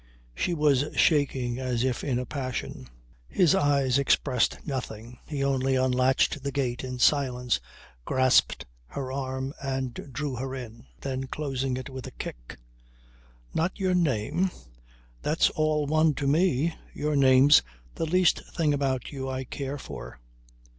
She was shaking as if in a passion. His eyes expressed nothing; he only unlatched the gate in silence, grasped her arm and drew her in. Then closing it with a kick "Not your name? That's all one to me. Your name's the least thing about you I care for."